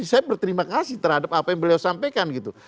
saya berterima kasih terhadap apa yang beliau sampaikan gitu